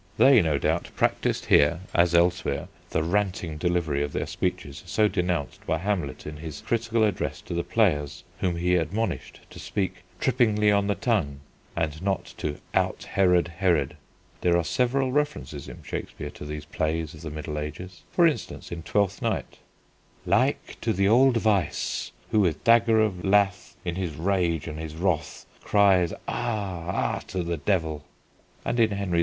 They, no doubt, practised here, as elsewhere, the ranting delivery of their speeches so denounced by Hamlet in his critical address to the Players, whom he admonished to speak "trippingly on the tongue" and not to "out Herod Herod." There are several references in Shakespeare to these plays of the Middle Ages. For instance, in Twelfth Night: "Like to the old Vice ...... Who with dagger of lath In his rage and his wrath, Cries, Ah, ah! to the devil." and in _Henry V.